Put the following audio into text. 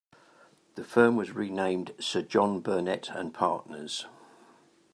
The firm was renamed Sir John Burnet & Partners.